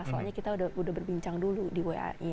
soalnya kita udah berbincang dulu di wai